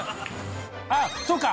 あっそうか。